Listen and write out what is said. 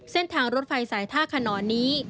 เส้นทางรถไฟสายท่าขนอนนี้